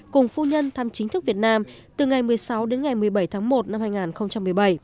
cùng phu nhân thăm chính thức việt nam từ ngày một mươi sáu đến ngày một mươi bảy tháng một năm hai nghìn một mươi bảy